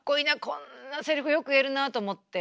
こんなセリフよく言えるな」と思って。